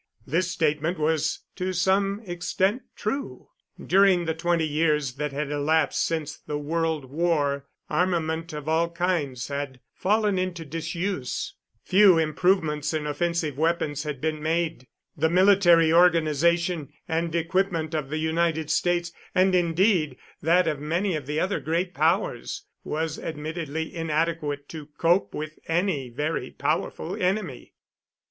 This statement was to some extent true. During the twenty years that had elapsed since the World War armament of all kinds had fallen into disuse. Few improvements in offensive weapons had been made. The military organization and equipment of the United States, and, indeed, that of many of the other great powers, was admittedly inadequate to cope with any very powerful enemy.